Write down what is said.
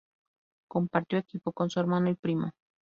Compartió equipo con su hermano y primo.